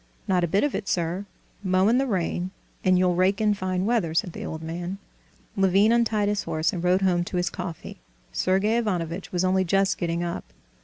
"Not a bit of it, sir; mow in the rain, and you'll rake in fine weather!" said the old man. Levin untied his horse and rode home to his coffee. Sergey Ivanovitch was only just getting up.